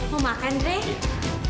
mau makan reh